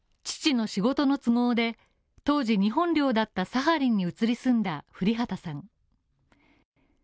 父の仕事の都合で当時、日本領だったサハリンに移り住んだ降旗さん。